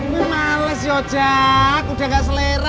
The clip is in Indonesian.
lu males jack udah gak selera